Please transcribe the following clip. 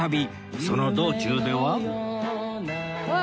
その道中では